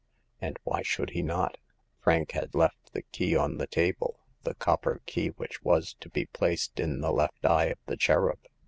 And why should he not ? Frank had left the key on the table — the copper key which was to be placed in the left eye of the cherub.